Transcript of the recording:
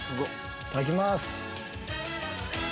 いただきます。